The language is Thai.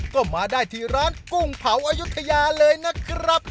ก็มาได้ที่ร้านกุ้งเผาอายุทยาเลยนะครับ